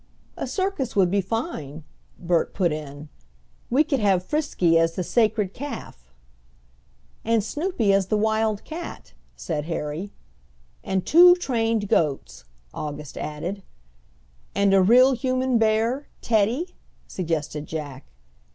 "A circus would be fine," Bert put in. "We could have Frisky as the Sacred Calf." "And Snoopy as the Wild Cat," said Harry. "And two trained goats," August added. "And a real human bear, 'Teddy'?" suggested Jack.